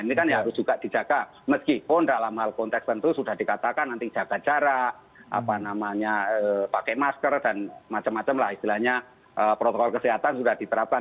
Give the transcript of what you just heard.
ini kan harus juga dijaga meskipun dalam hal konteks tentu sudah dikatakan nanti jaga jarak pakai masker dan macam macam lah istilahnya protokol kesehatan sudah diterapkan